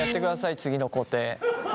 次の工程。